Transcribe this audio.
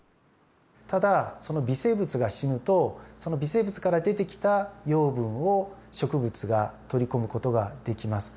ただその微生物が死ぬとその微生物から出てきた養分を植物が取り込む事ができます。